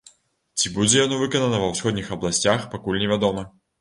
Ці будзе яно выканана ва ўсходніх абласцях, пакуль невядома.